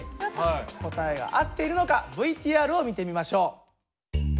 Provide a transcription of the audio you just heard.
答えが合っているのかＶＴＲを見てみましょう。